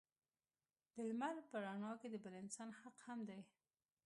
د لمر په رڼا کې د بل انسان حق هم دی.